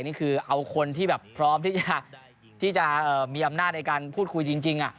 นี่คือเอาคนที่แบบพร้อมที่จะมีอำนาจในการพูดคุยจริง